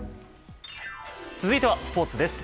続いてはスポーツです。